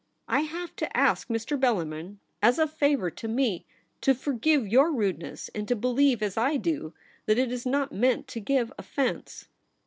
* I have to ask Mr. Bellarmin, as a favour to me, to forgive your rudeness, and to be lieve, as I do, that it is not meant to give offence.'